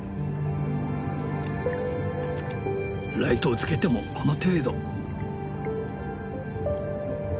ライトをつけてもこの程度。